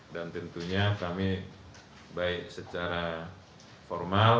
dan tentunya kami baik secara formal